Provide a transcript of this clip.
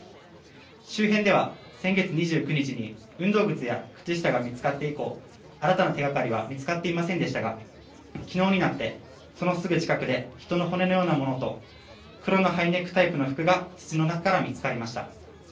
周辺では先月２９日に運動靴や靴下が見つかって以降新たな手掛かりは見つかっていませんでしたが昨日になって、そのすぐ近くで人の骨のようなものと黒のハイネックタイプの服が土の中から見つかりました。